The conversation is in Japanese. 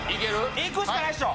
いくしかないでしょ